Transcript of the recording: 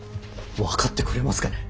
分かってくれますかね。